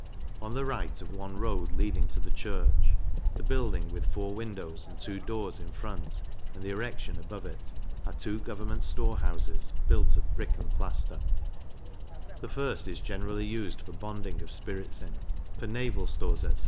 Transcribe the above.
On the right of the one road leading to the church, the building with four windows and two doors in front, and the erection above it, are two Government Store houses, built of brick and plaister; the first is generally used for bonding of spirits in, for naval stores, etc.